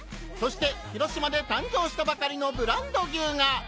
そして広島で誕生したばかりのブランド牛が！